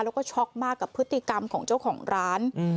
แล้วก็ช็อกมากกับพฤติกรรมของเจ้าของร้าน